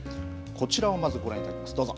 こちらをまずご覧いただきます、どうぞ。